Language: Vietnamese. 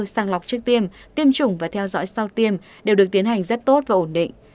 sàng lọc trước tiêm tiêm chủng và theo dõi sau tiêm đều được tiến hành rất tốt và ổn định